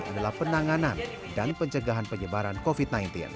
adalah penanganan dan pencegahan penyebaran covid sembilan belas